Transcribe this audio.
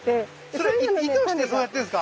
それ意図してそうやってるんですか？